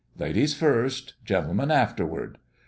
Ladies first, gentlemen afterward!"